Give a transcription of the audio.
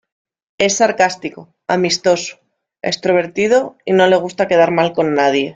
Es sarcástico, amistoso, extrovertido y no le gusta quedar mal con nadie.